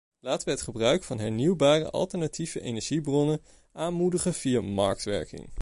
Laten we het gebruik van hernieuwbare en alternatieve energiebronnen aanmoedigen via marktwerking.